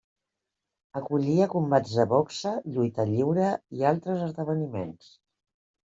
Acollia combats de boxa, lluita lliure i altres esdeveniments.